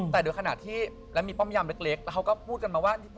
แต่โดยขณะที่แล้วมีป้อมยามเล็กแล้วเขาก็พูดกันมาว่า